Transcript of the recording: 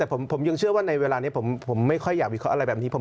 แต่ผมยังเชื่อว่าในเวลานี้ผมไม่ค่อยอยากวิเคราะห์อะไรแบบนี้